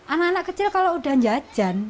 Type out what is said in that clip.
anak anak kecil kalau udah jajan